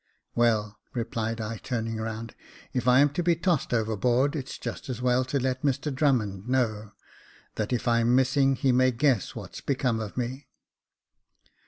" Well," replied I, turning round, " if I am to be tossed overboard, it's just as well to let Mr Drummond know, that if I'm missing he may guess what's become of me."